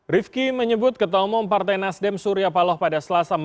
rifki menyebut ketua umum partai nasdem surya paloh pada selasa malam